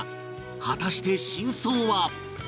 果たして真相は